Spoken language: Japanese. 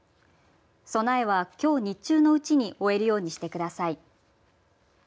備えは、きょう日中のうちに終えるようにしてください。